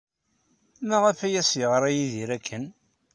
Maɣef ay as-yeɣra Yidir akken?